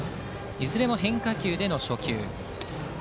いずれも変化球での初球。